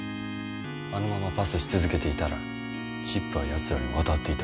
あのままパスし続けていたらチップはやつらに渡っていたからな。